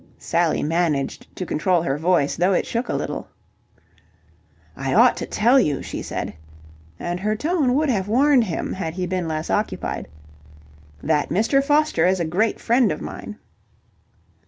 Sally managed to control her voice, though it shook a little. "I ought to tell you," she said, and her tone would have warned him had he been less occupied, "that Mr. Foster is a great friend of mine."